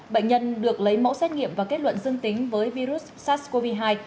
bệnh nhân được lấy mẫu xét nghiệm và kết luận dương tính với virus sars cov hai